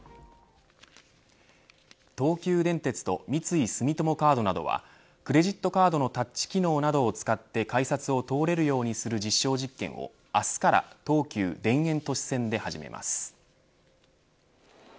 東急電鉄と三井住友カードなどはクレジットカードのタッチ機能などを使って改札を通れるようにする実証実験を明日から東急田園都市線で始めます。